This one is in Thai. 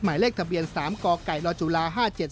หมายเลขทะเบียน๓กไก่ลจุฬา๕๗